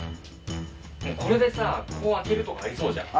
もうこれでさこう開けるとかありそうじゃん。